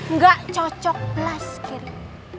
nggak cocok lah sekiranya